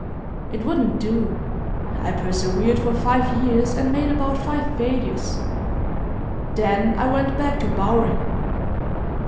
It wouldn't do. I persevered for five years, and made about five failures. Then I went back to Bowring.